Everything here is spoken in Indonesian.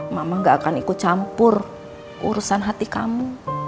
mama gak akan ikut campur urusan hati kamu